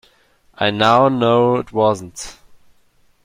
I now know it wasn't.